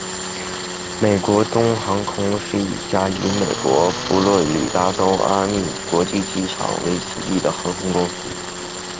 美国东方航空是一家以美国佛罗里达州迈阿密国际机场为基地的航空公司。